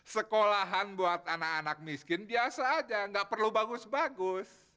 sekolahan buat anak anak miskin biasa aja nggak perlu bagus bagus